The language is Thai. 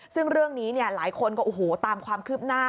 ซึ่งเรื่องนี้เนี่ยหลายคนก็โอ้โหตามความคืบหน้า